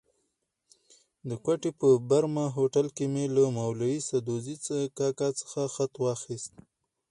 د کوټې په برمه هوټل کې مې له مولوي سدوزي کاکا څخه خط واخیست.